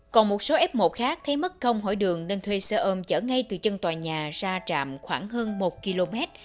còn một số f một khác thấy mất công hỏi đường nên thuê xe ôm chở ngay từ chân tòa nhà ra trạm khoảng hơn một km